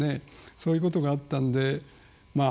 そういうことがあったのでまあ